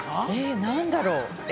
何だろう？